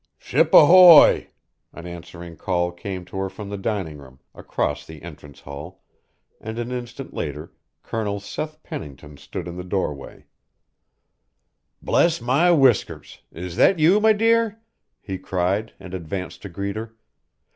"Ship ahoy!" An answering call came to her from the dining room, across the entrance hall, and an instant later Colonel Seth Pennington stood in the doorway, "Bless my whiskers! Is that you, my dear?" he cried, and advanced to greet her.